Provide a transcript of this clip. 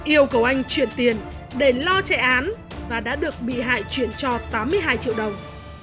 yêu cầu anh truyền tiền để lo trẻ án và đã được bị hại truyền cho tám mươi hai triệu đồng